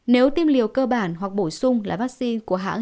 nếu tiêm liều cơ bản hoặc bổ sung là vaccine